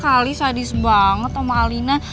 kali sadis banget sama alina